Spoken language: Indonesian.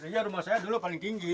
sehingga rumah saya dulu paling tinggi